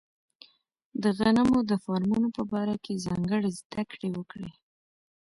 د غنمو د فارمونو په باره کې ځانګړې زده کړې وکړي.